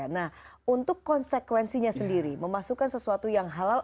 nah untuk konsekuensinya sendiri memasukkan sesuatu yang halal